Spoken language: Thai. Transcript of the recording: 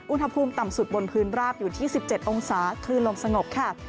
อุณหภูมิต่ำสุดบนพื้นราบอยู่ที่๑๗องศาคลื่นลมสงบค่ะ